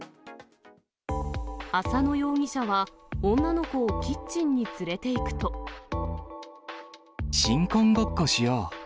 浅野容疑者は、新婚ごっこしよう。